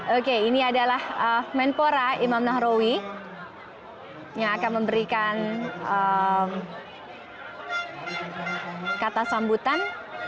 oke ini adalah menpora imam nahrawi yang akan memberikan kata sambutan